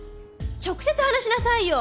直接話しなさいよ。